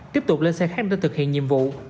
tiếp tục lên xe khách để thực hiện nhiệm vụ